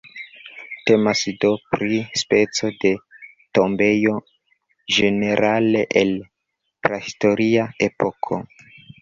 Temas do pri speco de tombejo, ĝenerale el prahistoria epoko.